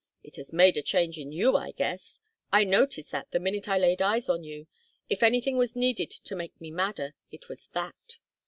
"It has made a change in you, I guess. I noticed that the minute I laid eyes on you. If anything was needed to make me madder, it was that."